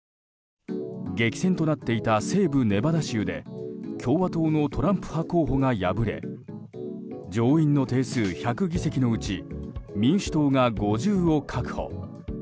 激戦となっていた西部ネバダ州で共和党のトランプ派候補が敗れ上院の定数１００議席のうち民主党が５０を確保。